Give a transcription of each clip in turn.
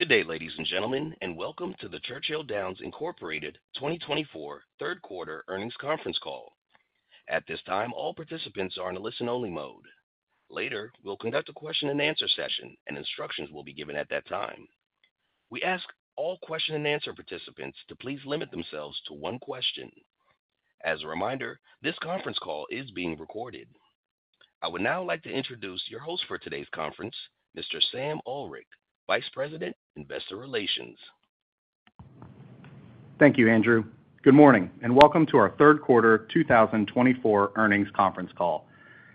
Good day, ladies and gentlemen, and welcome to the Churchill Downs Incorporated 2024 Q3 Earnings Conference Call. At this time, all participants are in a listen-only mode. Later, we'll conduct a Q&A session, and instructions will be given at that time. We ask all Q&A participants to please limit themselves to one question. As a reminder, this conference call is being recorded. I would now like to introduce your host for today's conference, Mr. Sam Ullrich, Vice President, Investor Relations. Thank you, Andrew. Good morning, and welcome to our Q3 2024 Earnings Conference Call.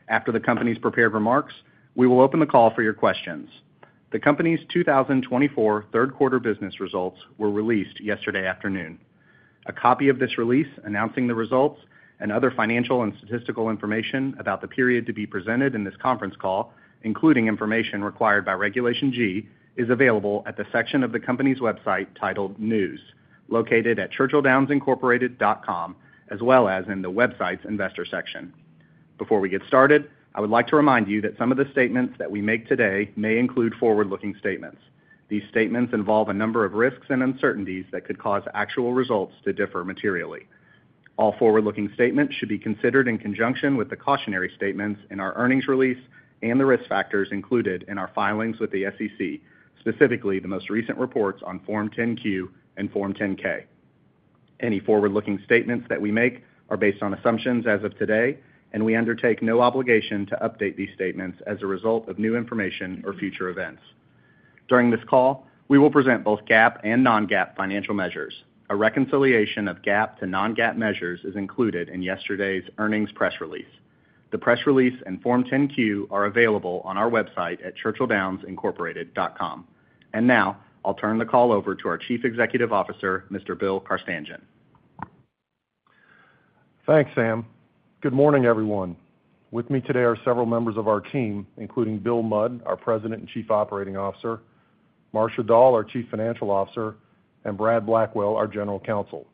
After the company's prepared remarks, we will open the call for your questions. The company's 2024 Q3 business results were released yesterday afternoon. A copy of this release announcing the results and other financial and statistical information about the period to be presented in this conference call, including information required by Regulation G, is available at the section of the company's website titled News, located at churchilldownsincorporated.com, as well as in the website's Investor section. Before we get started, I would like to remind you that some of the statements that we make today may include forward-looking statements. These statements involve a number of risks and uncertainties that could cause actual results to differ materially. All forward-looking statements should be considered in conjunction with the cautionary statements in our earnings release and the risk factors included in our filings with the SEC, specifically the most recent reports on Form 10-Q and Form 10-K. Any forward-looking statements that we make are based on assumptions as of today, and we undertake no obligation to update these statements as a result of new information or future events. During this call, we will present both GAAP and non-GAAP financial measures. A reconciliation of GAAP to non-GAAP measures is included in yesterday's earnings press release. The press release and Form 10-Q are available on our website at churchilldownsincorporated.com. And now, I'll turn the call over to our Chief Executive Officer, Mr. Bill Carstanjen. Thanks, Sam. Good morning, everyone. With me today are several members of our team, including Bill Mudd, our President and Chief Operating Officer, Marcia Dall, our Chief Financial Officer, and Brad Blackwell, our General Counsel.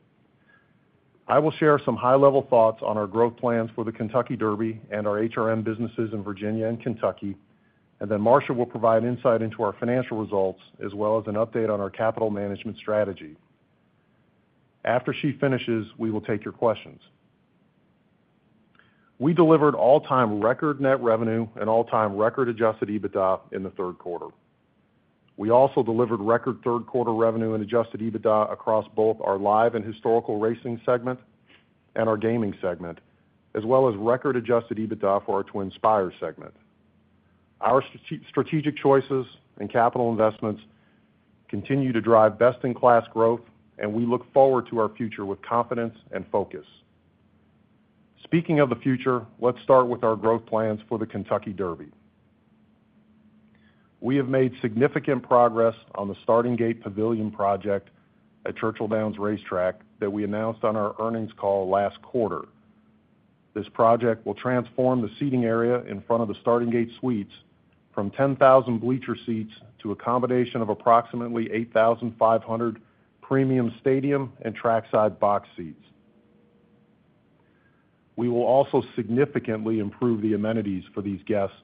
I will share some high-level thoughts on our growth plans for the Kentucky Derby and our HRM businesses in Virginia and Kentucky, and then Marcia will provide insight into our financial results, as well as an update on our capital management strategy. After she finishes, we will take your questions. We delivered all-time record net revenue and all-time record adjusted EBITDA in the Q3. We also delivered record Q3 revenue and adjusted EBITDA across both our live and historical racing segment and our gaming segment, as well as record adjusted EBITDA for our TwinSpires segment. Our strategic choices and capital investments continue to drive best-in-class growth, and we look forward to our future with confidence and focus. Speaking of the future, let's start with our growth plans for the Kentucky Derby. We have made significant progress on the Starting Gate Pavilion project at Churchill Downs Racetrack that we announced on our earnings call last quarter. This project will transform the seating area in front of the Starting Gate Suites from 10,000 bleacher seats to a combination of approximately 8,500 premium stadium and trackside box seats. We will also significantly improve the amenities for these guests,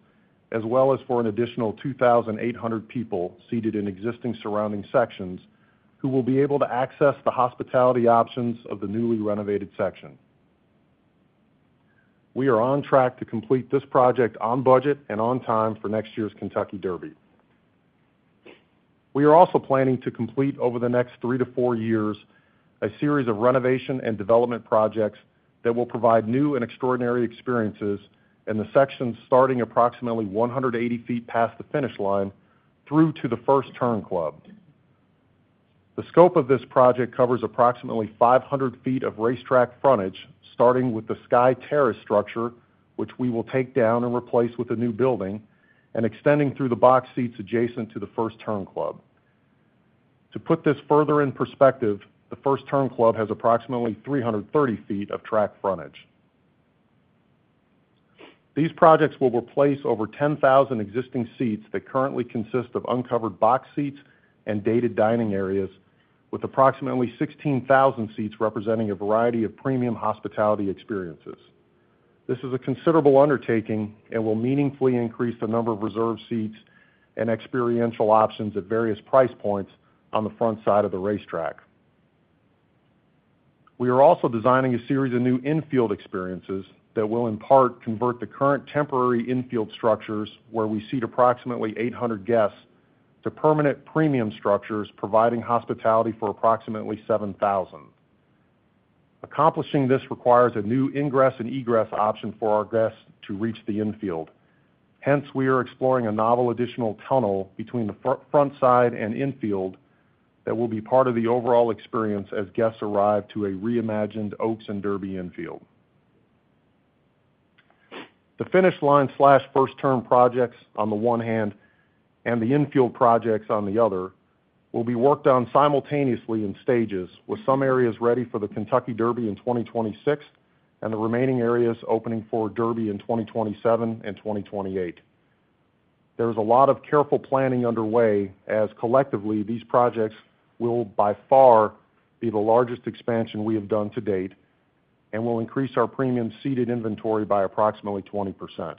as well as for an additional 2,800 people seated in existing surrounding sections, who will be able to access the hospitality options of the newly renovated section. We are on track to complete this project on budget and on time for next year's Kentucky Derby. We are also planning to complete over the next 3 to 4 years a series of renovation and development projects that will provide new and extraordinary experiences in the sections starting approximately 180 feet past the finish line through to the First Turn Club. The scope of this project covers approximately 500 feet of racetrack frontage, starting with the Sky Terrace structure, which we will take down and replace with a new building, and extending through the box seats adjacent to the First Turn Club. To put this further in perspective, the First Turn Club has approximately 330 feet of track frontage. These projects will replace over 10,000 existing seats that currently consist of uncovered box seats and dated dining areas, with approximately 16,000 seats representing a variety of premium hospitality experiences. This is a considerable undertaking and will meaningfully increase the number of reserved seats and experiential options at various price points on the front side of the racetrack. We are also designing a series of new infield experiences that will, in part, convert the current temporary infield structures, where we seat approximately 800 guests, to permanent premium structures, providing hospitality for approximately 7,000. Accomplishing this requires a new ingress and egress option for our guests to reach the infield. Hence, we are exploring a novel additional tunnel between the front side and infield that will be part of the overall experience as guests arrive to a reimagined Oaks and Derby infield. The finish line/first turn projects, on the one hand, and the infield projects on the other, will be worked on simultaneously in stages, with some areas ready for the Kentucky Derby in 2026 and the remaining areas opening for Derby in 2027 and 2028. There is a lot of careful planning underway, as collectively, these projects will, by far, be the largest expansion we have done to date and will increase our premium seating inventory by approximately 20%....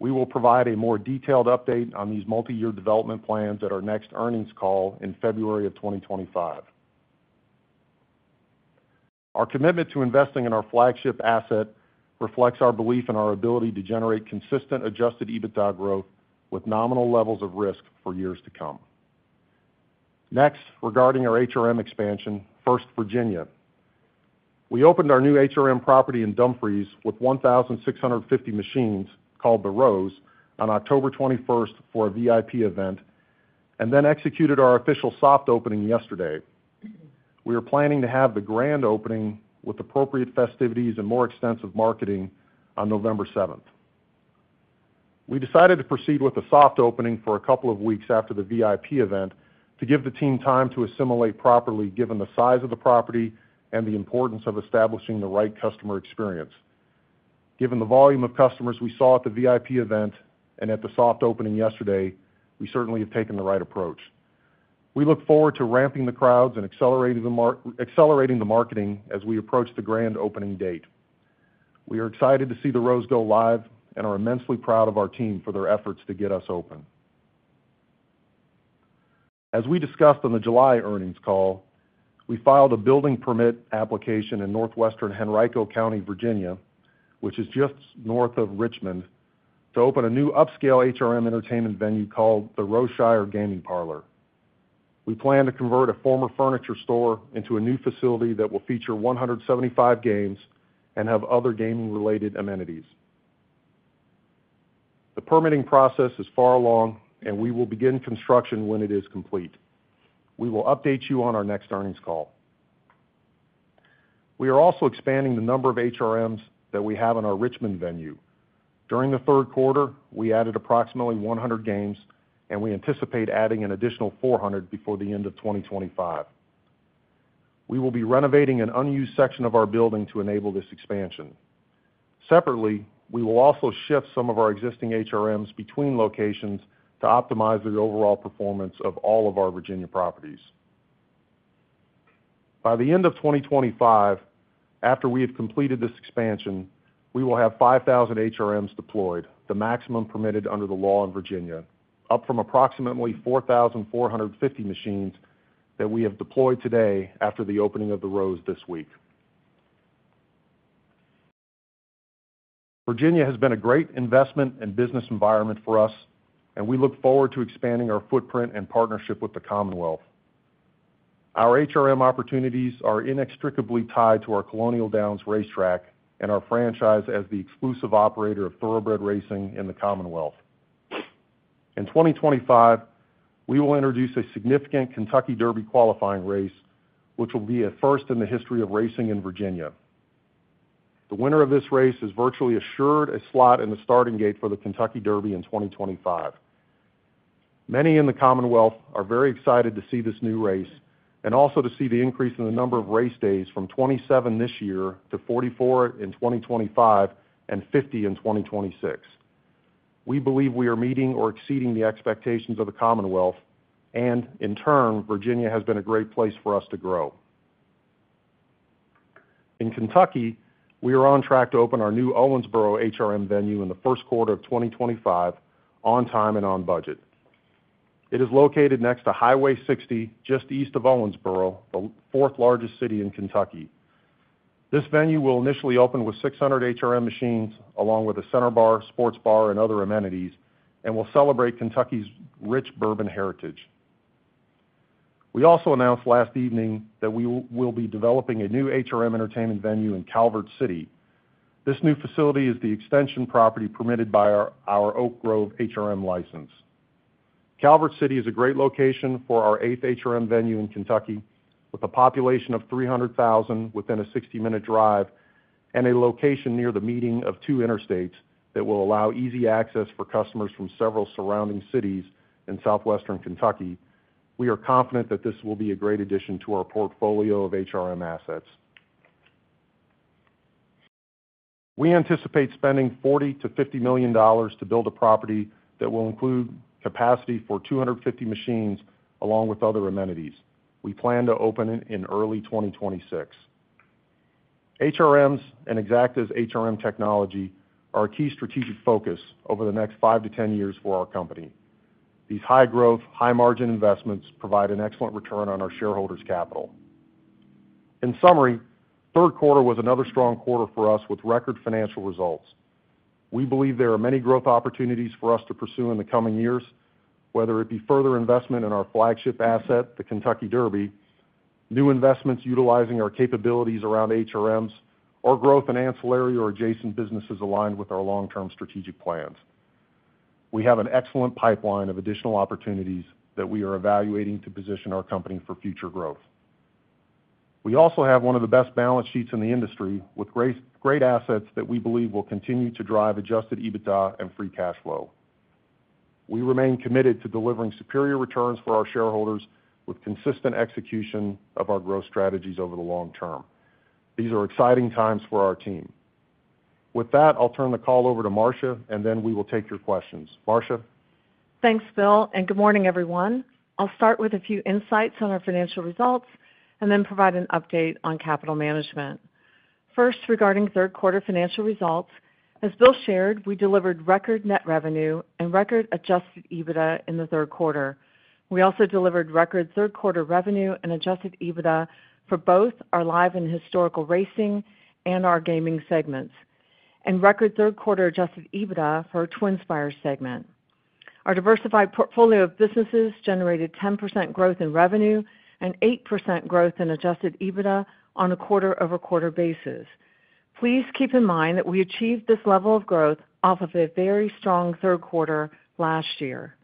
We will provide a more detailed update on these multiyear development plans at our next earnings call in February of 2025. Our commitment to investing in our flagship asset reflects our belief in our ability to generate consistent Adjusted EBITDA growth with nominal levels of risk for years to come. Next, regarding our HRM expansion, first, Virginia. We opened our new HRM property in Dumfries with one thousand 650 machines, called The Rose, on 21st October for a VIP event, and then executed our official soft opening yesterday. We are planning to have the grand opening with appropriate festivities and more extensive marketing on 7th of November. We decided to proceed with the soft opening for a couple of weeks after the VIP event to give the team time to assimilate properly, given the size of the property and the importance of establishing the right customer experience. Given the volume of customers we saw at the VIP event and at the soft opening yesterday, we certainly have taken the right approach. We look forward to ramping the crowds and accelerating the marketing as we approach the grand opening date. We are excited to see The Rose go live and are immensely proud of our team for their efforts to get us open. As we discussed on the July earnings call, we filed a building permit application in northwestern Henrico County, Virginia, which is just north of Richmond, to open a new upscale HRM entertainment venue called The Rosshire Gaming Parlor. We plan to convert a former furniture store into a new facility that will feature 175 games and have other gaming-related amenities. The permitting process is far along, and we will begin construction when it is complete. We will update you on our next earnings call. We are also expanding the number of HRMs that we have in our Richmond venue. During the Q3, we added approximately 100 games, and we anticipate adding an additional 400 before the end of 2025. We will be renovating an unused section of our building to enable this expansion. Separately, we will also shift some of our existing HRMs between locations to optimize the overall performance of all of our Virginia properties. By the end of 2025, after we have completed this expansion, we will have 5,000 HRMs deployed, the maximum permitted under the law in Virginia, up from approximately 4,450 machines that we have deployed today after the opening of The Rose this week. Virginia has been a great investment and business environment for us, and we look forward to expanding our footprint and partnership with the Commonwealth. Our HRM opportunities are inextricably tied to our Colonial Downs racetrack and our franchise as the exclusive operator of thoroughbred racing in the Commonwealth. In 2025, we will introduce a significant Kentucky Derby qualifying race, which will be a first in the history of racing in Virginia. The winner of this race is virtually assured a slot in the starting gate for the Kentucky Derby in 2025. Many in the Commonwealth are very excited to see this new race and also to see the increase in the number of race days from 27 this year to 44 in 2025, and 50 in 2026. We believe we are meeting or exceeding the expectations of the Commonwealth, and in turn, Virginia has been a great place for us to grow. In Kentucky, we are on track to open our new Owensboro HRM venue in the Q1 of 2025, on time and on budget. It is located next to Highway 60, just east of Owensboro, the 4th-largest city in Kentucky. This venue will initially open with 600 HRM machines, along with a center bar, sports bar, and other amenities, and will celebrate Kentucky's rich bourbon heritage. We also announced last evening that we will be developing a new HRM entertainment venue in Calvert City. This new facility is the extension property permitted by our Oak Grove HRM license. Calvert City is a great location for our 8th HRM venue in Kentucky, with a population of 300,000 within a 60-minute drive and a location near the meeting of 2 interstates that will allow easy access for customers from several surrounding cities in southwestern Kentucky. We are confident that this will be a great addition to our portfolio of HRM assets. We anticipate spending $40 million-$50 million to build a property that will include capacity for 250 machines, along with other amenities. We plan to open it in early 2026. HRMs and Exacta's HRM technology are a key strategic focus over the next 5 to 10 years for our company. These high-growth, high-margin investments provide an excellent return on our shareholders' capital. In summary, Q3 was another strong quarter for us with record financial results. We believe there are many growth opportunities for us to pursue in the coming years, whether it be further investment in our flagship asset, the Kentucky Derby, new investments utilizing our capabilities around HRMs, or growth in ancillary or adjacent businesses aligned with our long-term strategic plans. We have an excellent pipeline of additional opportunities that we are evaluating to position our company for future growth. We also have one of the best balance sheets in the industry, with great, great assets that we believe will continue to drive Adjusted EBITDA and free cash flow. We remain committed to delivering superior returns for our shareholders, with consistent execution of our growth strategies over the long term. These are exciting times for our team. With that, I'll turn the call over to Marcia, and then we will take your questions. Marcia?... Thanks, Bill, and good morning, everyone. I'll start with a few insights on our financial results, and then provide an update on capital management. First, regarding Q3 financial results, as Bill shared, we delivered record net revenue and record Adjusted EBITDA in the Q3. We also delivered record Q3 revenue and Adjusted EBITDA for both our live and historical racing and our gaming segments, and record Q3 Adjusted EBITDA for our TwinSpires segment. Our diversified portfolio of businesses generated 10% growth in revenue and 8% growth in Adjusted EBITDA on a quarter-over-quarter basis. Please keep in mind that we achieved this level of growth off of a very strong Q3 last year.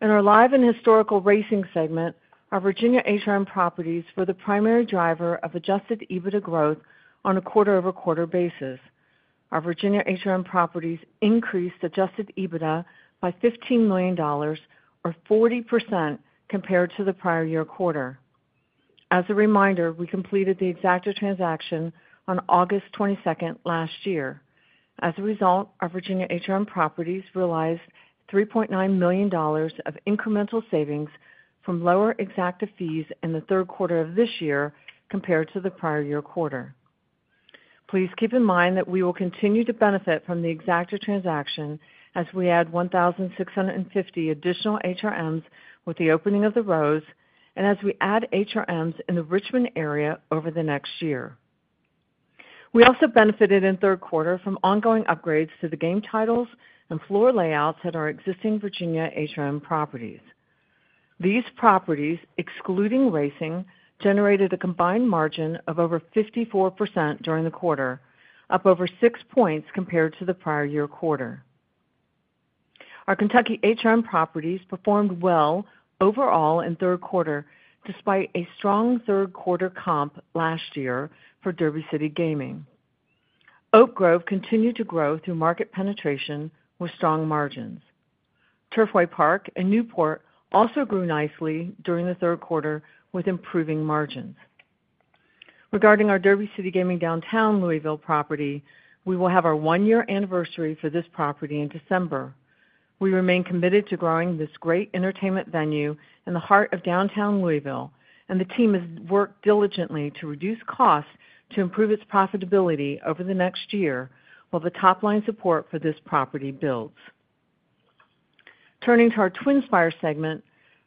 In our live and historical racing segment, our Virginia HRM properties were the primary driver of Adjusted EBITDA growth on a quarter-over-quarter basis. Our Virginia HRM properties increased Adjusted EBITDA by $15 million, or 40% compared to the prior year quarter. As a reminder, we completed the Exacta transaction on 22nd August last year. As a result, our Virginia HRM properties realized $3.9 million of incremental savings from lower Exacta fees in the Q3 of this year compared to the prior year quarter. Please keep in mind that we will continue to benefit from the Exacta transaction as we add 1,650 additional HRMs with the opening of The Rose, and as we add HRMs in the Richmond area over the next year. We also benefited in Q3 from ongoing upgrades to the game titles and floor layouts at our existing Virginia HRM properties. These properties, excluding racing, generated a combined margin of over 54% during the quarter, up over 6 points compared to the prior year quarter. Our Kentucky HRM properties performed well overall in Q3, despite a strong Q3 comp last year for Derby City Gaming. Oak Grove continued to grow through market penetration with strong margins. Turfway Park and Newport also grew nicely during the Q3 with improving margins. Regarding our Derby City Gaming downtown Louisville property, we will have our one-year anniversary for this property in December. We remain committed to growing this great entertainment venue in the heart of downtown Louisville, and the team has worked diligently to reduce costs to improve its profitability over the next year, while the top-line support for this property builds. Turning to our TwinSpires segment,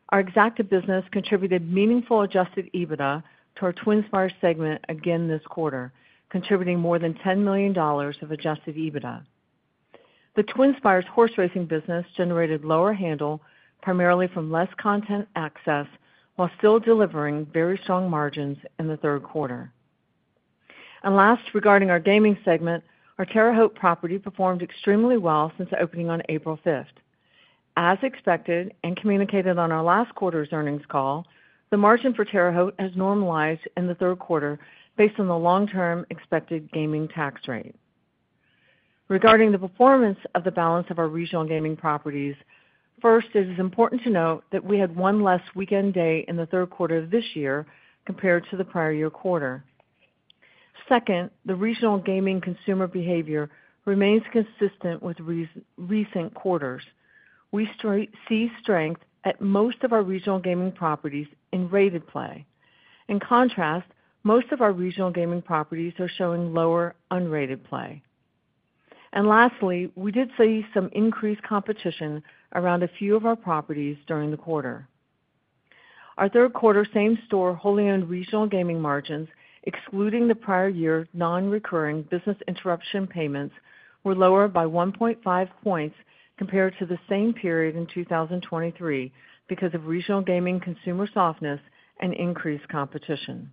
our Exacta business contributed meaningful adjusted EBITDA to our TwinSpires segment again this quarter, contributing more than $10 million of adjusted EBITDA. The TwinSpires horse racing business generated lower handle, primarily from less content access, while still delivering very strong margins in the Q3. Last, regarding our gaming segment, our Terre Haute property performed extremely well since opening on 5th of April. As expected and communicated on our last quarter's earnings call, the margin for Terre Haute has normalized in the Q3 based on the long-term expected gaming tax rate. Regarding the performance of the balance of our regional gaming properties, first, it is important to note that we had one less weekend day in the Q3 of this year compared to the prior year quarter. Second, the regional gaming consumer behavior remains consistent with recent quarters. We see strength at most of our regional gaming properties in rated play. In contrast, most of our regional gaming properties are showing lower unrated play. Lastly, we did see some increased competition around a few of our properties during the quarter. Our Q3 same-store, wholly owned regional gaming margins, excluding the prior year nonrecurring business interruption payments, were lower by 1.5 points compared to the same period in 2023 because of regional gaming consumer softness and increased competition.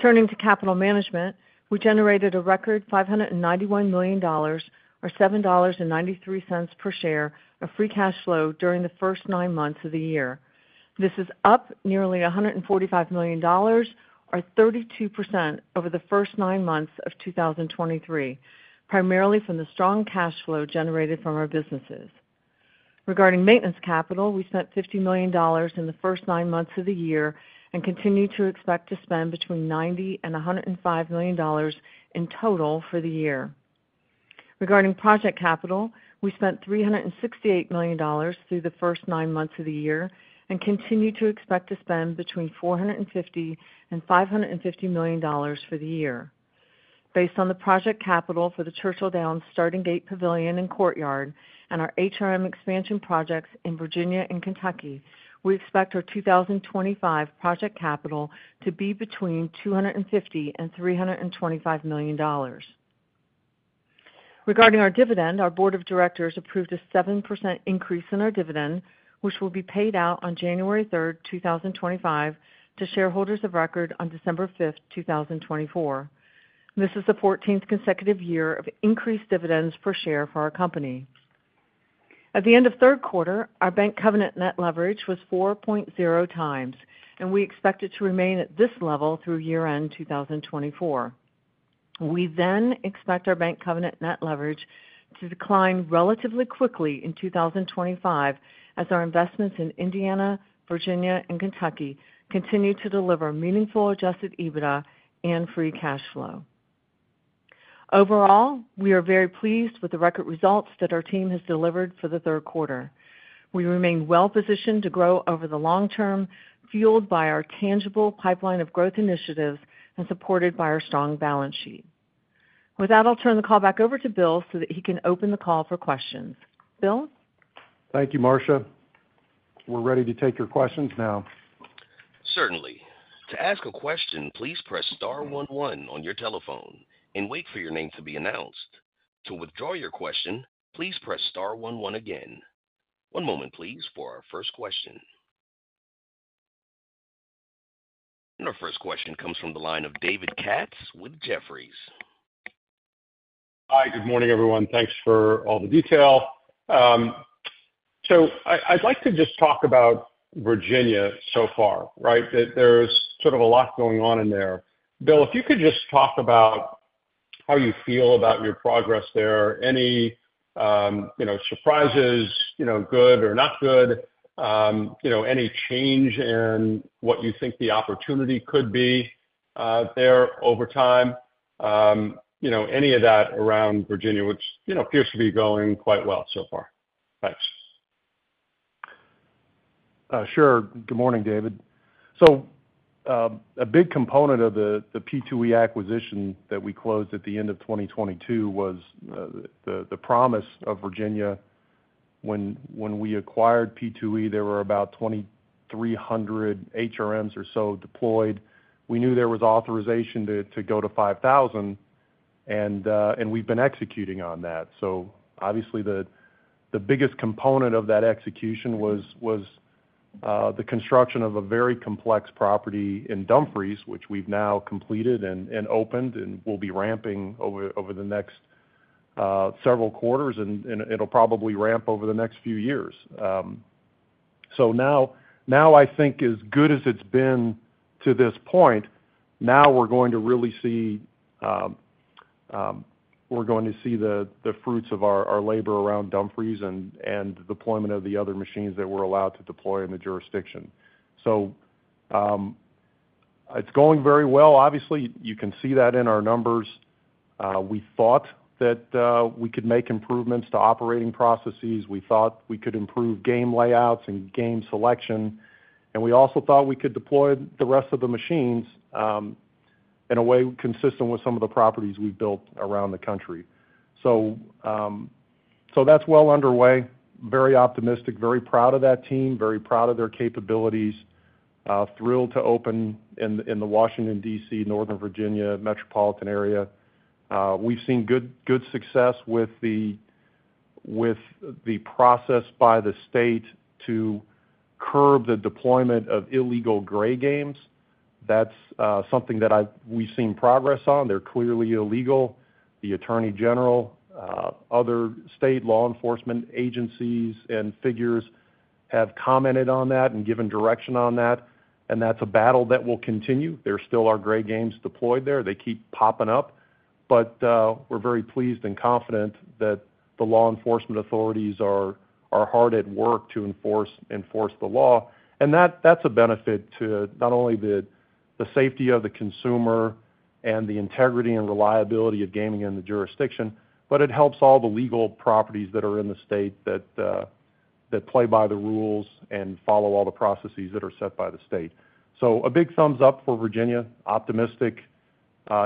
Turning to capital management, we generated a record $591 million, or $7.93 per share of free cash flow during the first 9 months of the year. This is up nearly $145 million, or 32% over the first 9 months of 2023, primarily from the strong cash flow generated from our businesses. Regarding maintenance capital, we spent $50 million in the first 9 months of the year and continue to expect to spend between $90 million and $105 million in total for the year. Regarding project capital, we spent $368 million through the first 9 months of the year and continue to expect to spend between $450 million and $550 million for the year. Based on the project capital for the Churchill Downs Starting Gate Pavilion and Courtyard and our HRM expansion projects in Virginia and Kentucky, we expect our 2025 project capital to be between $250 million and $325 million. Regarding our dividend, our board of directors approved a 7% increase in our dividend, which will be paid out on January 3, 2025, to shareholders of record on December 5, 2024. This is the 14th consecutive year of increased dividends per share for our company. At the end of Q3, our bank covenant net leverage was 4.0 times, and we expect it to remain at this level through year-end 2024. We then expect our bank covenant net leverage to decline relatively quickly in 2025 as our investments in Indiana, Virginia, and Kentucky continue to deliver meaningful Adjusted EBITDA and free cash flow. Overall, we are very pleased with the record results that our team has delivered for the Q3. We remain well-positioned to grow over the long term, fueled by our tangible pipeline of growth initiatives and supported by our strong balance sheet. With that, I'll turn the call back over to Bill so that he can open the call for questions. Bill? Thank you, Marcia. We're ready to take your questions now. Certainly. To ask a question, please press star one one on your telephone and wait for your name to be announced. To withdraw your question, please press star one one again. One moment, please, for our first question, and our first question comes from the line of David Katz with Jefferies. Hi, good morning, everyone. Thanks for all the detail. So I, I'd like to just talk about Virginia so far, right? There, there's a lot going on in there. Bill, if you could just talk about how you feel about your progress there, any, you know, surprises, you know, good or not good, you know, any change in what you think the opportunity could be, there over time, you know, any of that around Virginia, which, you know, appears to be going quite well so far. Thanks. Sure. Good morning, David. So, a big component of the P2E acquisition that we closed at the end of 2022 was the promise of Virginia. When we acquired P2E, there were about 2,300 HRMs or so deployed. We knew there was authorization to go to 5,000, and we've been executing on that. So obviously, the biggest component of that execution was the construction of a very complex property in Dumfries, which we've now completed and opened and will be ramping over the next several quarters, and it'll probably ramp over the next few years. So now, as good as it's been to this point, now we're going to really see the fruits of our labor around Dumfries and deployment of the other machines that we're allowed to deploy in the jurisdiction. So, it's going very well. Obviously, you can see that in our numbers. We thought that we could make improvements to operating processes. We thought we could improve game layouts and game selection, and we also thought we could deploy the rest of the machines in a way consistent with some of the properties we've built around the country. So, that's well underway. Very optimistic, very proud of that team, very proud of their capabilities, thrilled to open in the Washington, D.C., Northern Virginia metropolitan area. We've seen good success with the process by the state to curb the deployment of illegal gray games. That's something that we've seen progress on. They're clearly illegal. The attorney general, other state law enforcement agencies and figures have commented on that and given direction on that, and that's a battle that will continue. There still are gray games deployed there. They keep popping up, but we're very pleased and confident that the law enforcement authorities are hard at work to enforce the law. And that's a benefit to not only the safety of the consumer and the integrity and reliability of gaming in the jurisdiction, but it helps all the legal properties that are in the state that play by the rules and follow all the processes that are set by the state. So a big thumbs up for Virginia, optimistic,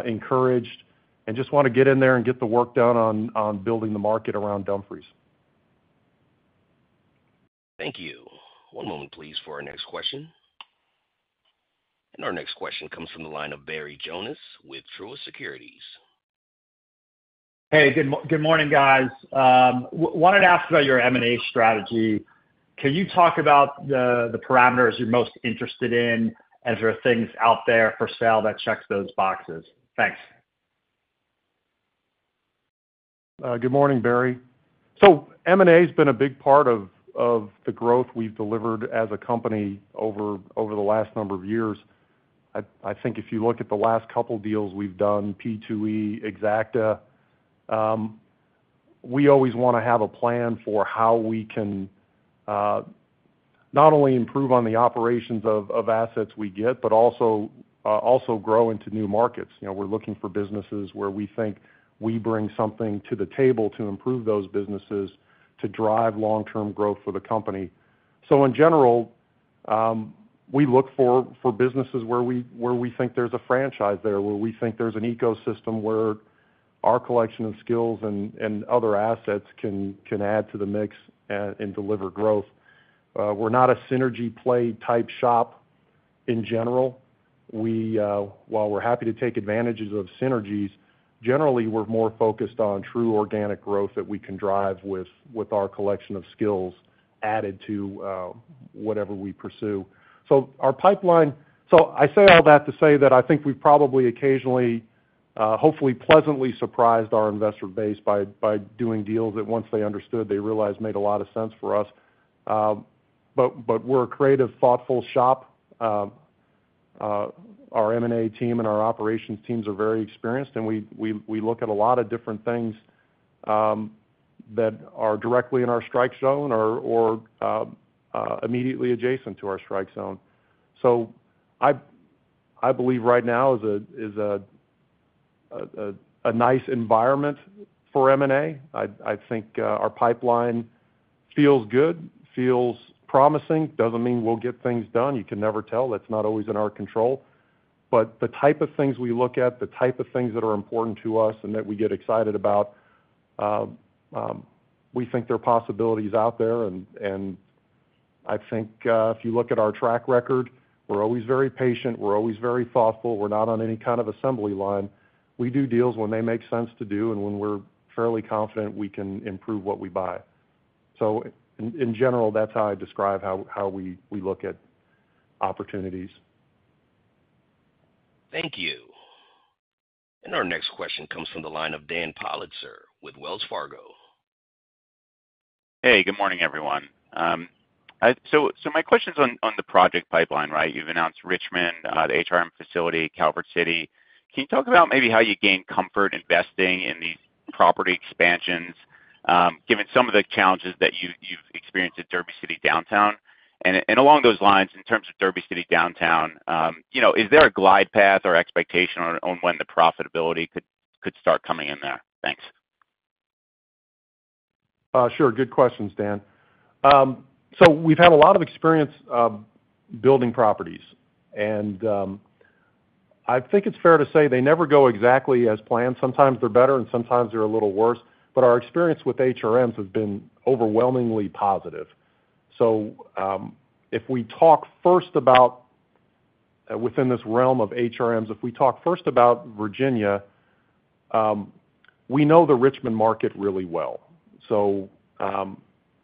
encouraged, and just want to get in there and get the work done on building the market around Dumfries. Thank you. One moment, please, for our next question. And our next question comes from the line of Barry Jonas with Truist Securities. Hey, good morning, guys. Wanted to ask about your M&A strategy. Can you talk about the parameters you're most interested in as there are things out there for sale that checks those boxes? Thanks. Good morning, Barry. So M&A has been a big part of the growth we've delivered as a company over the last number of years. If you look at the last couple deals we've done, P2E, Exacta, we always wanna have a plan for how we can not only improve on the operations of assets we get, but also grow into new markets. You know, we're looking for businesses where we think we bring something to the table to improve those businesses, to drive long-term growth for the company. So in general, we look for businesses where we think there's a franchise there, where we think there's an ecosystem where our collection of skills and other assets can add to the mix and deliver growth. We're not a synergy play type shop in general. We, while we're happy to take advantages of synergies, generally, we're more focused on true organic growth that we can drive with our collection of skills added to whatever we pursue. So I say all that to say that we've probably occasionally, hopefully pleasantly surprised our investor base by doing deals that once they understood, they realized made a lot of sense for us. But we're a creative, thoughtful shop. Our M&A team and our operations teams are very experienced, and we look at a lot of different things that are directly in our strike zone or immediately adjacent to our strike zone. So I believe right now is a nice environment for M&A. Our pipeline feels good, feels promising. It doesn't mean we'll get things done. You can never tell. That's not always in our control. But the type of things we look at, the type of things that are important to us and that we get excited about, we think there are possibilities out there, and if you look at our track record, we're always very patient. We're always very thoughtful. We're not on any assembly line. We do deals when they make sense to do and when we're fairly confident we can improve what we buy. So in general, that's how I describe how we look at opportunities. Thank you. And our next question comes from the line of Dan Politzer with Wells Fargo. Hey, good morning, everyone. So my question's on the project pipeline, right? You've announced Richmond, the HRM facility, Calvert City. Can you talk about maybe how you gain comfort investing in these property expansions, given some of the challenges that you've experienced at Derby City Gaming Downtown? And along those lines, in terms of Derby City Gaming Downtown, you know, is there a glide path or expectation on when the profitability could start coming in there? Thanks. Sure. Good questions, Dan. So we've had a lot of experience building properties, and it's fair to say they never go exactly as planned. Sometimes they're better, and sometimes they're a little worse, but our experience with HRMs has been overwhelmingly positive. So if we talk first about within this realm of HRMs, if we talk first about Virginia, we know the Richmond market really well. So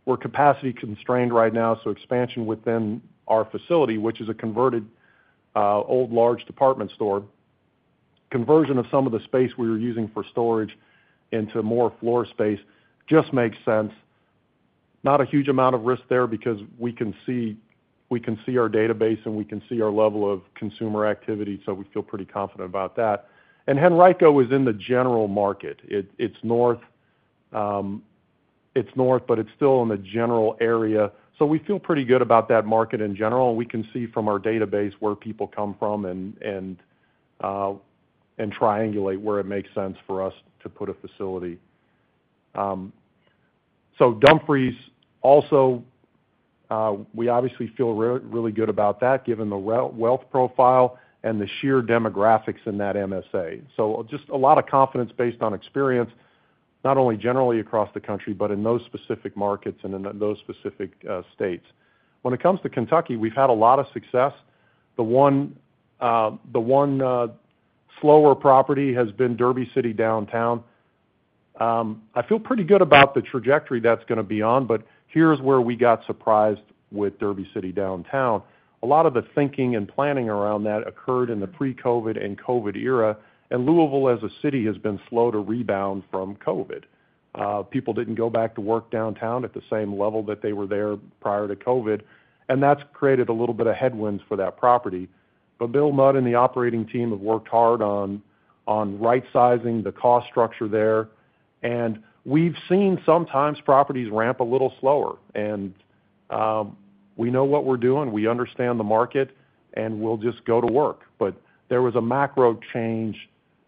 we're capacity constrained right now, so expansion within our facility, which is a converted old large department store, conversion of some of the space we were using for storage into more floor space, just makes sense. Not a huge amount of risk there because we can see our database, and we can see our level of consumer activity, so we feel pretty confident about that. And Henrico is in the general market. It, it's north, but it's still in the general area, so we feel pretty good about that market in general. We can see from our database where people come from and triangulate where it makes sense for us to put a facility. So Dumfries, also, we obviously feel really good about that, given the wealth profile and the sheer demographics in that MSA. So just a lot of confidence based on experience, not only generally across the country, but in those specific markets and in those specific states. When it comes to Kentucky, we've had a lot of success. The one slower property has been Derby City Downtown. I feel pretty good about the trajectory that's gonna be on, but here's where we got surprised with Derby City Gaming Downtown. A lot of the thinking and planning around that occurred in the pre-COVID and COVID era, and Louisville, as a city, has been slow to rebound from COVID. People didn't go back to work downtown at the same level that they were there prior to COVID, and that's created a little bit of headwinds for that property. But Bill Mudd and the operating team have worked hard on right-sizing the cost structure there, and we've seen sometimes properties ramp a little slower, and we know what we're doing, we understand the market, and we'll just go to work. But there was a macro change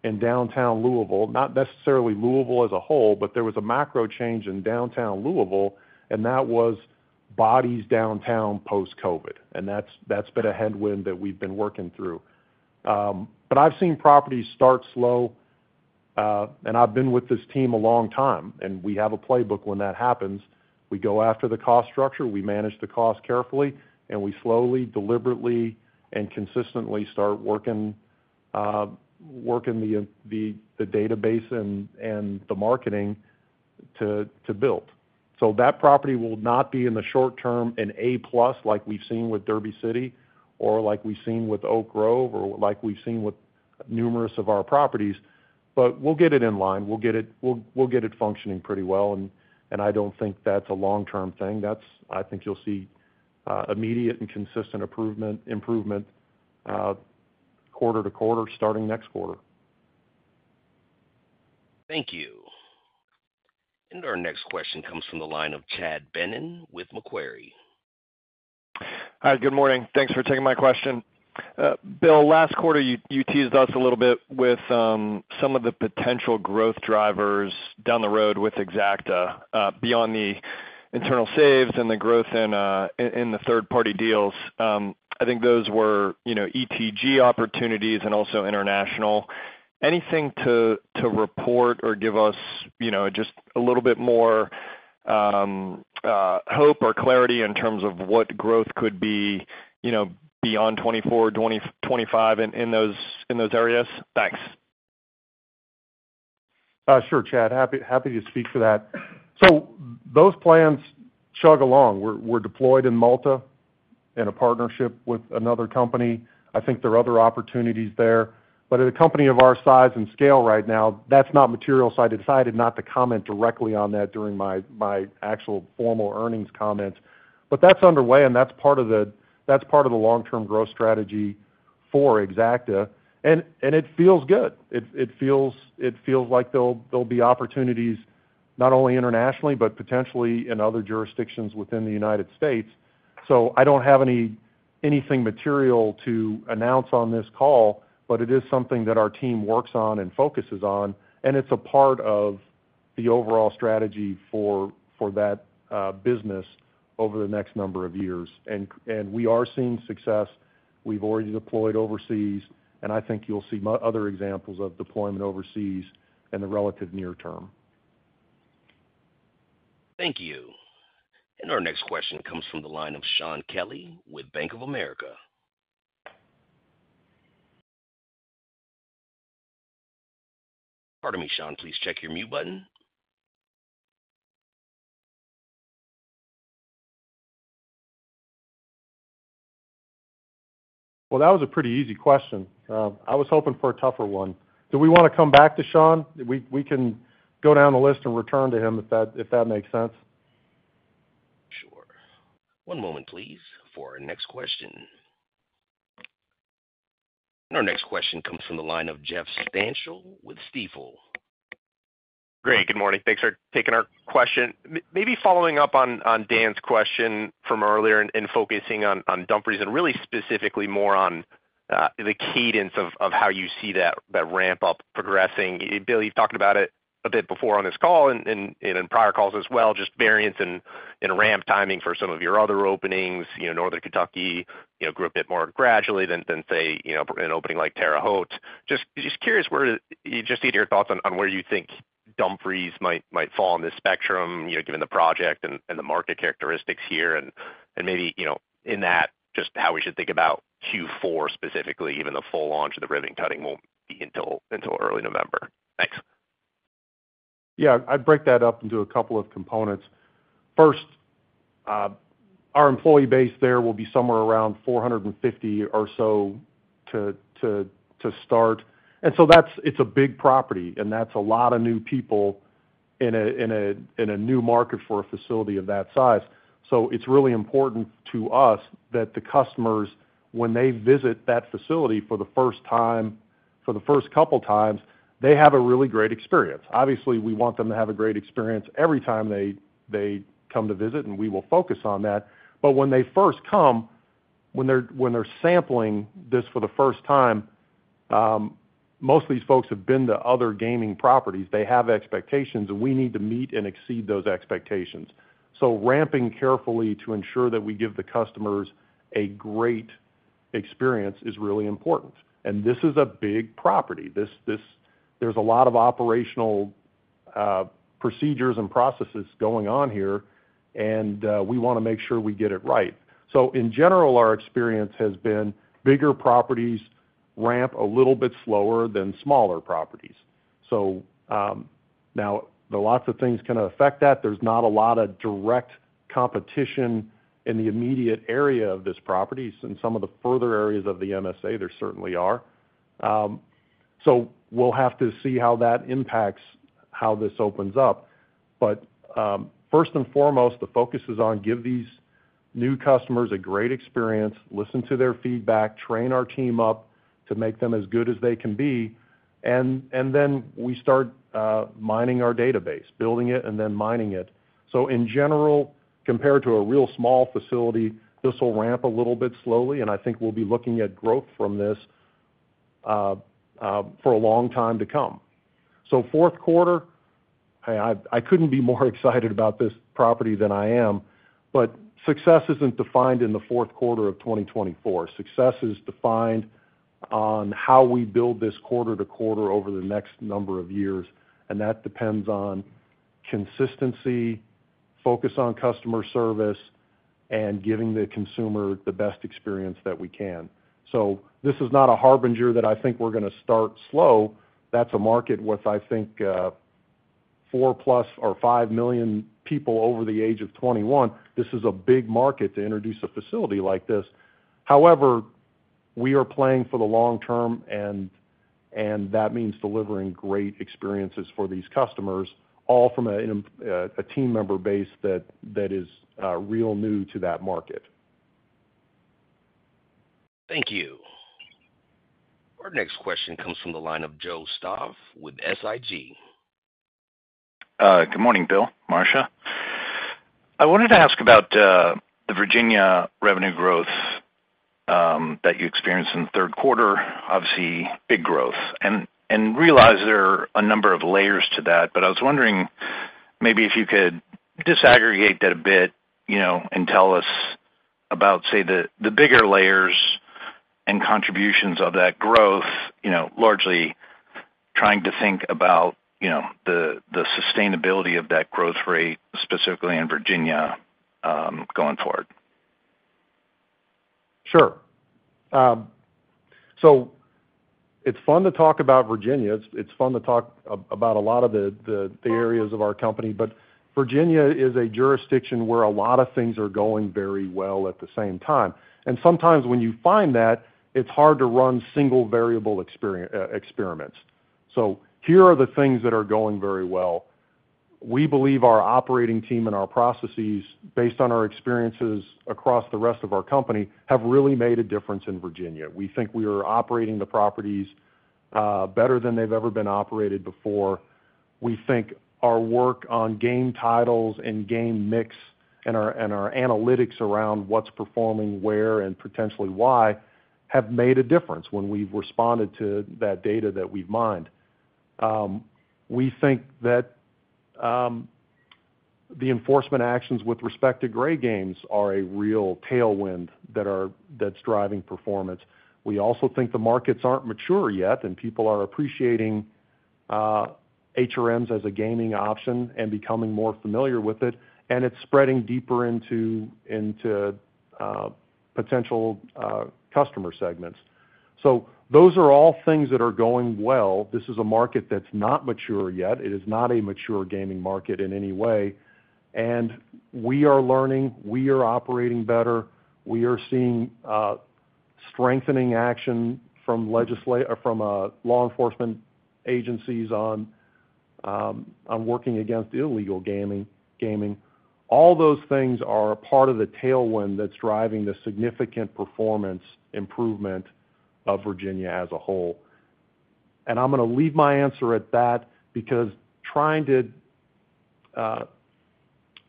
in downtown Louisville, not necessarily Louisville as a whole, but there was a macro change in downtown Louisville, and that was bodies downtown post-COVID, and that's been a headwind that we've been working through. But I've seen properties start slow, and I've been with this team a long time, and we have a playbook when that happens. We go after the cost structure, we manage the cost carefully, and we slowly, deliberately, and consistently start working the database and the marketing to build. So that property will not be in the short term an A plus, like we've seen with Derby City or like we've seen with Oak Grove or like we've seen with numerous of our properties, but we'll get it in line. We'll get it functioning pretty well, and I don't think that's a long-term thing. You'll see immediate and consistent improvement quarter to quarter, starting next quarter. Thank you. Our next question comes from the line of Chad Beynon with Macquarie. Hi, good morning. Thanks for taking my question. Bill, last quarter, you teased us a little bit with some of the potential growth drivers down the road with Exacta, beyond the internal saves and the growth in the third-party deals. Those were, you know, ETG opportunities and also international. Anything to report or give us, you know, just a little bit more hope or clarity in terms of what growth could be, you know, beyond 2024, 2025 in those areas? Thanks. Sure, Chad. Happy to speak to that. So those plans chug along. We're deployed in Malta in a partnership with another company. There are other opportunities there, but at a company of our size and scale right now, that's not material, so I decided not to comment directly on that during my actual formal earnings comments. But that's underway, and that's part of the long-term growth strategy for Exacta, and it feels good. It feels like there'll be opportunities not only internationally, but potentially in other jurisdictions within the United States. So I don't have anything material to announce on this call, but it is something that our team works on and focuses on, and it's a part of the overall strategy for that business over the next number of years. We are seeing success. We've already deployed overseas, and you'll see other examples of deployment overseas in the relative near term. Thank you. And our next question comes from the line of Shaun Kelley with Bank of America. Pardon me, Shaun, please check your mute button. That was a pretty easy question. I was hoping for a tougher one. Do we wanna come back to Shaun? We can go down the list and return to him, if that makes sense. Sure. One moment, please, for our next question. Our next question comes from the line of Jeff Stantial with Stifel. Great, good morning. Thanks for taking our question. Maybe following up on Dan's question from earlier and focusing on Dumfries, and really specifically more on the cadence of how you see that ramp up progressing. Bill, you've talked about it a bit before on this call and in prior calls as well, just variance in ramp timing for some of your other openings. You know, Northern Kentucky, you know, grew a bit more gradually than, say, you know, an opening like Terre Haute. Just curious, where just to hear your thoughts on where you think Dumfries might fall on this spectrum, you know, given the project and the market characteristics here, and maybe, you know, in that, just how we should think about Q4, specifically, given the full launch of the ribbon cutting won't be until early November. Thanks. I'd break that up into a couple of components. First, our employee base there will be somewhere around 450 or so to start. And so that's. It's a big property, and that's a lot of new people in a new market for a facility of that size. So it's really important to us that the customers, when they visit that facility for the first time, for the first couple times, they have a really great experience. Obviously, we want them to have a great experience every time they come to visit, and we will focus on that. But when they first come, when they're sampling this for the first time, most of these folks have been to other gaming properties. They have expectations, and we need to meet and exceed those expectations. So ramping carefully to ensure that we give the customers a great experience is really important. And this is a big property. This, there's a lot of operational procedures and processes going on here, and we wanna make sure we get it right. So in general, our experience has been, bigger properties ramp a little bit slower than smaller properties. So, now, there are lots of things can affect that. There's not a lot of direct competition in the immediate area of this property, since some of the further areas of the MSA, there certainly are. So we'll have to see how that impacts how this opens up. But, first and foremost, the focus is on give these new customers a great experience, listen to their feedback, train our team up to make them as good as they can be, and then we start mining our database, building it, and then mining it. So in general, compared to a real small facility, this will ramp a little bit slowly, and we'll be looking at growth from this for a long time to come. So Q4, I couldn't be more excited about this property than I am, but success isn't defined in the Q4 of 2024. Success is defined on how we build this quarter to quarter over the next number of years, and that depends on consistency, focus on customer service, and giving the consumer the best experience that we can. So this is not a harbinger that we're gonna start slow. That's a market with, 4+ or 5 million people over the age of 21. This is a big market to introduce a facility like this. However, we are playing for the long term, and that means delivering great experiences for these customers, all from a team member base that is real new to that market. Thank you. Our next question comes from the line of Joe Stauff with SIG. Good morning, Bill, Marcia. I wanted to ask about the Virginia revenue growth that you experienced in the Q3, obviously, big growth. And realize there are a number of layers to that, but I was wondering maybe if you could disaggregate that a bit, you know, and tell us about, say, the bigger layers and contributions of that growth, you know, largely trying to think about, you know, the sustainability of that growth rate, specifically in Virginia, going forward. Sure. So it's fun to talk about Virginia. It's fun to talk about a lot of the areas of our company, but Virginia is a jurisdiction where a lot of things are going very well at the same time. Sometimes when you find that, it's hard to run single variable experiments. Here are the things that are going very well. We believe our operating team and our processes, based on our experiences across the rest of our company, have really made a difference in Virginia. We think we are operating the properties better than they've ever been operated before. We think our work on game titles and game mix, and our analytics around what's performing where and potentially why, have made a difference when we've responded to that data that we've mined. We think that the enforcement actions with respect to gray games are a real tailwind that's driving performance. We also think the markets aren't mature yet, and people are appreciating HRMs as a gaming option and becoming more familiar with it, and it's spreading deeper into potential customer segments. Those are all things that are going well. This is a market that's not mature yet. It is not a mature gaming market in any way, and we are learning. We are operating better. We are seeing strengthening action from law enforcement agencies on working against illegal gaming. All those things are a part of the tailwind that's driving the significant performance improvement of Virginia as a whole. I'm going to leave my answer at that, because trying to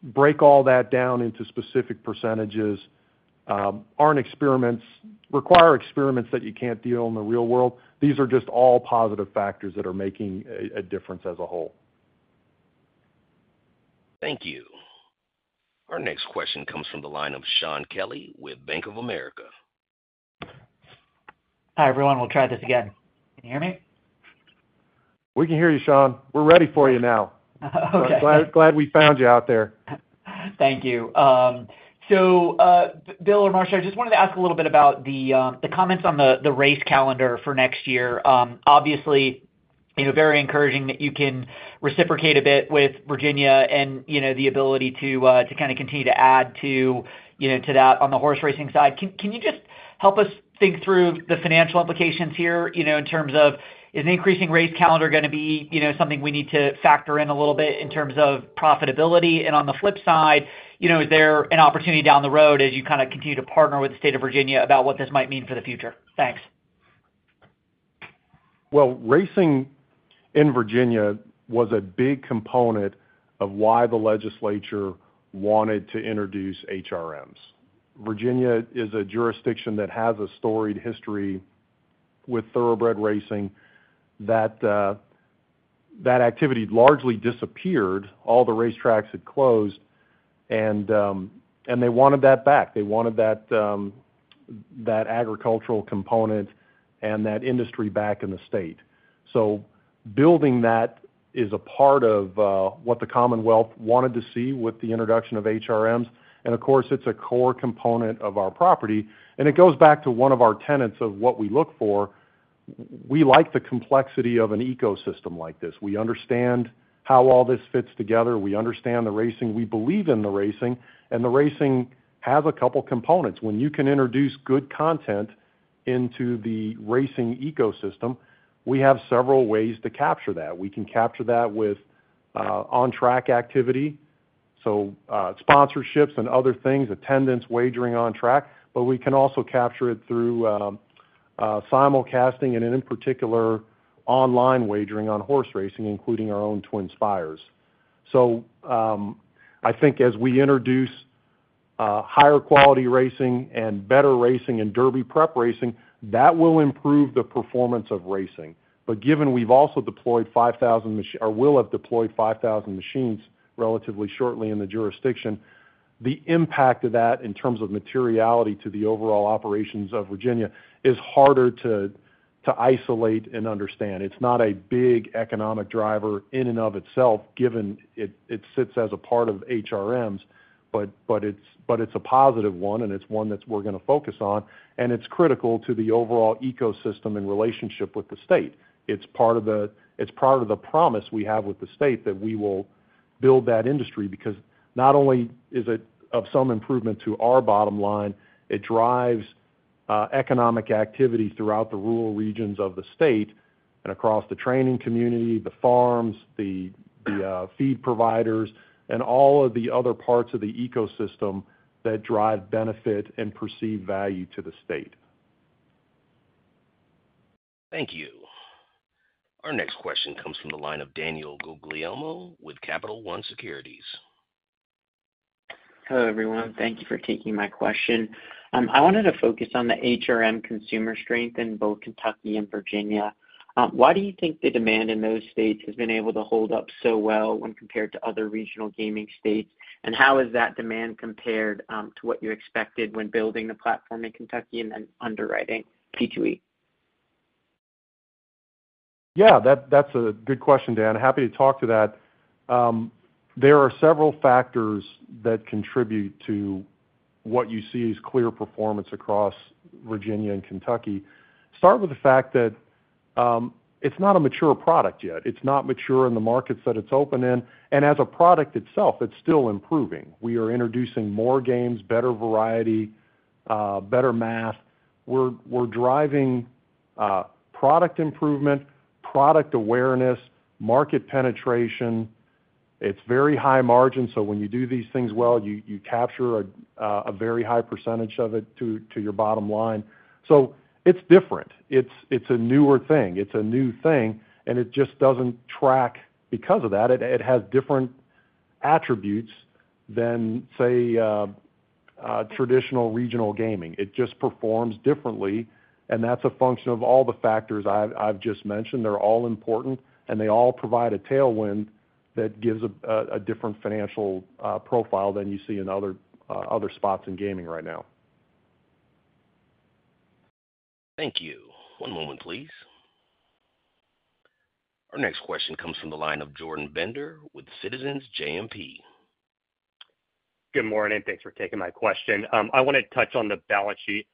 break all that down into specific percentages require experiments that you can't do in the real world. These are just all positive factors that are making a difference as a whole. Thank you. Our next question comes from the line of Shaun Kelley with Bank of America. Hi, everyone. We'll try this again. Can you hear me? We can hear you, Shaun. We're ready for you now. Okay. Glad, glad we found you out there. Thank you. So, Bill or Marcia, I just wanted to ask a little bit about the comments on the race calendar for next year. Obviously, you know, very encouraging that you can reciprocate a bit with Virginia and, you know, the ability to continue to add to, you know, to that on the horse racing side. Can you just help us think through the financial implications here, you know, in terms of, is an increasing race calendar going to be, you know, something we need to factor in a little bit in terms of profitability? And on the flip side, you know, is there an opportunity down the road as you continue to partner with the state of Virginia about what this might mean for the future? Thanks. Racing in Virginia was a big component of why the legislature wanted to introduce HRMs. Virginia is a jurisdiction that has a storied history with thoroughbred racing, that activity largely disappeared, all the racetracks had closed, and they wanted that back. They wanted that agricultural component and that industry back in the state. Building that is a part of what the Commonwealth wanted to see with the introduction of HRMs, and of course, it is a core component of our property, and it goes back to one of our tenets of what we look for. We like the complexity of an ecosystem like this. We understand how all this fits together. We understand the racing. We believe in the racing, and the racing has a couple components. When you can introduce good content into the racing ecosystem, we have several ways to capture that. We can capture that with on-track activity, so sponsorships and other things, attendance, wagering on track, but we can also capture it through simulcasting and in particular, online wagering on horse racing, including our own TwinSpires. So as we introduce higher quality racing and better racing and Derby prep racing, that will improve the performance of racing. But given we've also deployed 5,000 or will have deployed 5,000 machines relatively shortly in the jurisdiction, the impact of that in terms of materiality to the overall operations of Virginia is harder to isolate and understand. It's not a big economic driver in and of itself, given it sits as a part of HRMs, but it's a positive one, and it's one that we're going to focus on, and it's critical to the overall ecosystem and relationship with the state. It's part of the promise we have with the state that we will build that industry, because not only is it of some improvement to our bottom line, it drives economic activity throughout the rural regions of the state and across the training community, the farms, the feed providers, and all of the other parts of the ecosystem that drive benefit and perceived value to the state. Thank you. Our next question comes from the line of Daniel Guglielmo with Capital One Securities. Hello, everyone. Thank you for taking my question. I wanted to focus on the HRM consumer strength in both Kentucky and Virginia. Why do you think the demand in those states has been able to hold up so well when compared to other regional gaming states? And how is that demand compared to what you expected when building the platform in Kentucky and then underwriting P2E? That's a good question, Dan. Happy to talk to that. There are several factors that contribute to what you see as clear performance across Virginia and Kentucky. Start with the fact that it's not a mature product yet. It's not mature in the markets that it's open in, and as a product itself, it's still improving. We are introducing more games, better variety, better math. We're driving product improvement, product awareness, market penetration. It's very high margin, so when you do these things well, you capture a very high percentage of it to your bottom line. So it's different. It's a new thing. It's a new thing, and it just doesn't track because of that. It has different attributes than, say, a traditional regional gaming. It just performs differently, and that's a function of all the factors I've just mentioned. They're all important, and they all provide a tailwind that gives a different financial profile than you see in other spots in gaming right now. Thank you. One moment, please. Our next question comes from the line of Jordan Bender with Citizens JMP. Good morning, thanks for taking my question. I wanna touch on the balance sheet.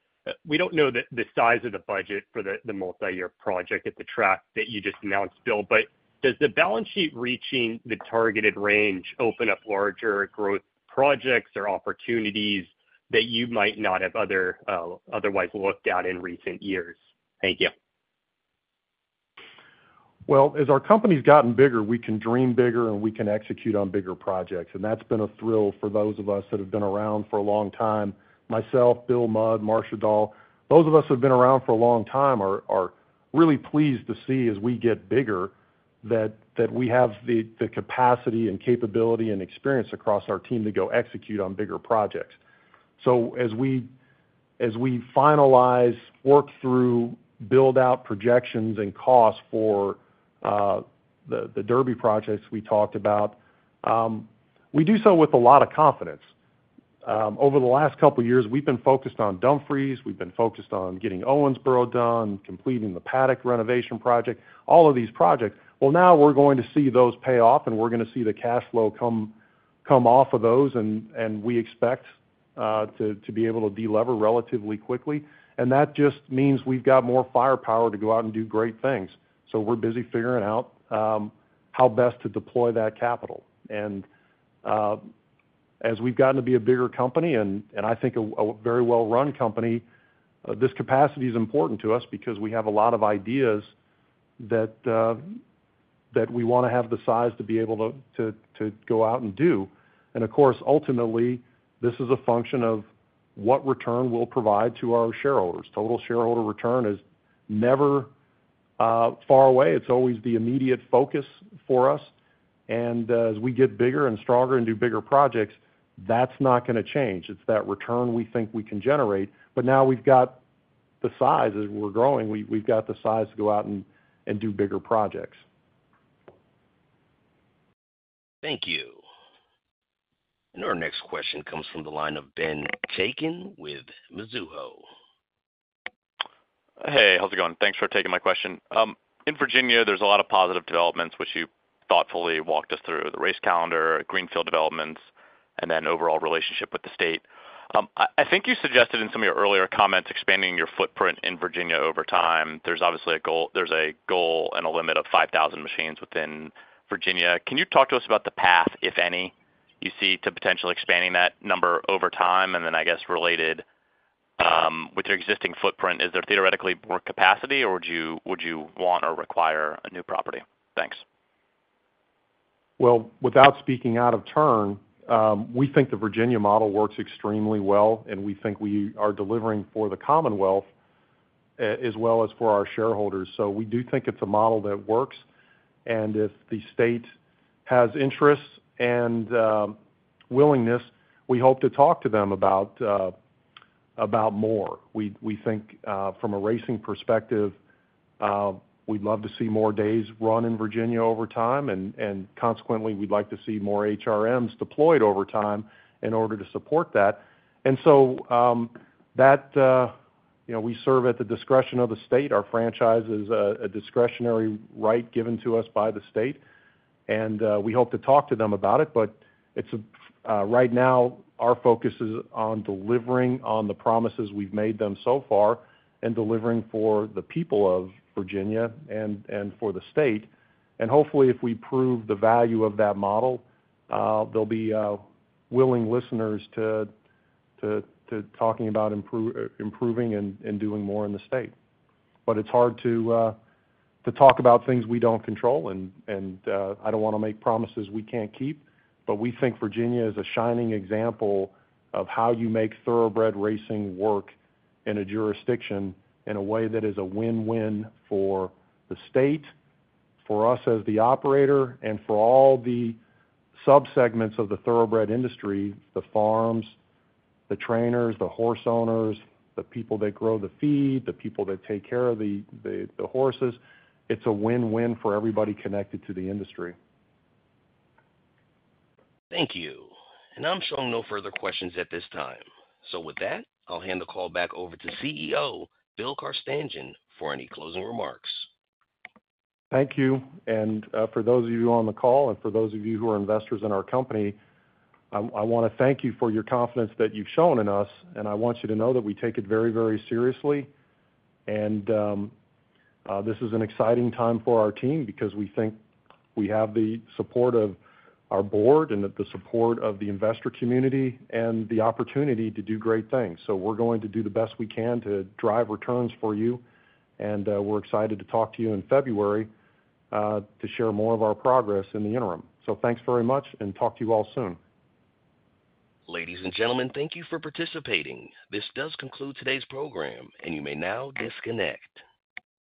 We don't know the size of the budget for the multi-year project at the track that you just announced, Bill, but does the balance sheet reaching the targeted range open up larger growth projects or opportunities that you might not have otherwise looked at in recent years? Thank you. As our company's gotten bigger, we can dream bigger, and we can execute on bigger projects. That's been a thrill for those of us that have been around for a long time, myself, Bill Mudd, Marcia Dall. Those of us who've been around for a long time are really pleased to see, as we get bigger, that we have the capacity and capability and experience across our team to go execute on bigger projects. So as we finalize, work through, build out projections and costs for the derby projects we talked about, we do so with a lot of confidence. Over the last couple of years, we've been focused on Dumfries, we've been focused on getting Owensboro done, completing the paddock renovation project, all of these projects. Now we're going to see those pay off, and we're gonna see the cash flow come off of those, and we expect to be able to delever relatively quickly. And that just means we've got more firepower to go out and do great things. So we're busy figuring out how best to deploy that capital. And as we've gotten to be a bigger company, and a very well-run company, this capacity is important to us because we have a lot of ideas that we wanna have the size to be able to go out and do. And of course, ultimately, this is a function of what return we'll provide to our shareholders. Total shareholder return is never far away. It's always the immediate focus for us. And as we get bigger and stronger and do bigger projects, that's not gonna change. It's that return we think we can generate. But now we've got the size. As we're growing, we've got the size to go out and do bigger projects. Thank you. And our next question comes from the line of Ben Chaiken with Mizuho. Hey, how's it going? Thanks for taking my question. In Virginia, there's a lot of positive developments, which you thoughtfully walked us through, the race calendar, greenfield developments, and then overall relationship with the state. You suggested in some of your earlier comments, expanding your footprint in Virginia over time. There's obviously a goal and a limit of 5,000 machines within Virginia. Can you talk to us about the path, if any, you see, to potentially expanding that number over time? And then, related, with your existing footprint, is there theoretically more capacity, or would you want or require a new property? Thanks. Without speaking out of turn, we think the Virginia model works extremely well, and we think we are delivering for the Commonwealth as well as for our shareholders. We do think it's a model that works, and if the state has interests and willingness, we hope to talk to them about more. We think, from a racing perspective, we'd love to see more days run in Virginia over time, and consequently, we'd like to see more HRMs deployed over time in order to support that. You know, we serve at the discretion of the state. Our franchise is a discretionary right given to us by the state, and we hope to talk to them about it. But it's right now our focus is on delivering on the promises we've made them so far and delivering for the people of Virginia and for the state. And hopefully, if we prove the value of that model, they'll be willing listeners to talking about improving and doing more in the state. But it's hard to talk about things we don't control, and I don't wanna make promises we can't keep. But we think Virginia is a shining example of how you make Thoroughbred racing work in a jurisdiction in a way that is a win-win for the state, for us as the operator, and for all the subsegments of the Thoroughbred industry, the farms, the trainers, the horse owners, the people that grow the feed, the people that take care of the horses. It's a win-win for everybody connected to the industry. Thank you. And I'm showing no further questions at this time. So with that, I'll hand the call back over to CEO, Bill Carstanjen, for any closing remarks. Thank you. And, for those of you on the call and for those of you who are investors in our company, I wanna thank you for your confidence that you've shown in us, and I want you to know that we take it very, very seriously. And, this is an exciting time for our team because we think we have the support of our board and the support of the investor community and the opportunity to do great things. So we're going to do the best we can to drive returns for you, and, we're excited to talk to you in February, to share more of our progress in the interim. So thanks very much, and talk to you all soon. Ladies and gentlemen, thank you for participating. This does conclude today's program, and you may now disconnect.